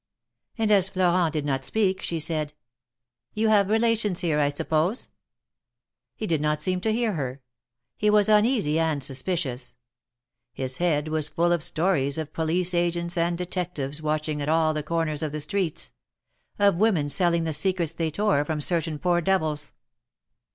And as Florent did not speak, she said : You have relations here, I suppose?" He did not seem to hear her. He was uneasy and suspicious. His head was full of stories of police agents and detectives watching at all the corners of the streets — of women selling the secrets they tore from certain poor devils.